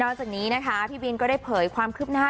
จากนี้นะคะพี่บินก็ได้เผยความคืบหน้า